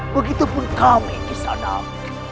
begitupun kami kisanak